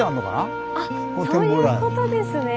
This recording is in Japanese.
あっそういうことですね。